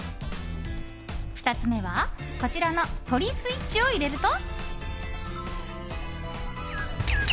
２つ目は、こちらの鳥スイッチを入れると。